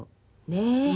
ねえ！